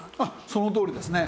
そのとおりですね。